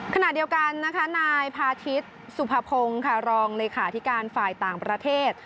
ขณะเดียวกันนะคะนายพาทิศสุภพงศ์ค่ะรองเลขาธิการฝ่ายต่างประเทศ